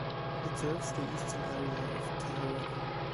It serves the eastern area of Teheranno.